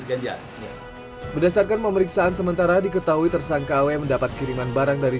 beban jalan berdasarkan pemeriksaan sementara diketahui tersangka awm dapat kiriman barang dari